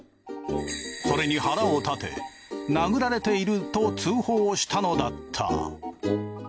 それに腹を立て殴られていると通報したのだった。